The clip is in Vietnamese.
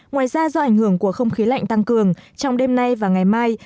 ngoài ra do ảnh hưởng của không khí lạnh tăng cường trong đêm nay và ngày mai